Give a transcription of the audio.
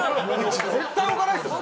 絶対置かないですよ！